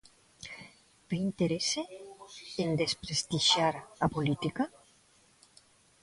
Ve interese en desprestixiar a política?